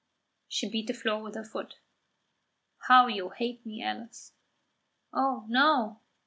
She beat the floor with her foot. "How you hate me, Alice!" "Oh, no."